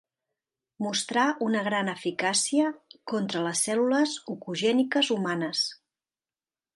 Mostrà una gran eficàcia contra les cèl·lules oncogèniques humanes.